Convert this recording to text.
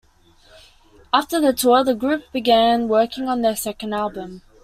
After the tour, the group began working on their second album.